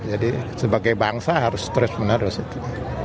jadi sebagai bangsa harus terus menerus itu